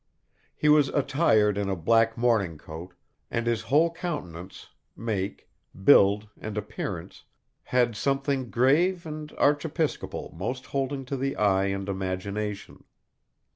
He was attired in a black morning coat, and his whole countenance, make, build and appearance had something grave and archiepiscopal most holding to the eye and imagination.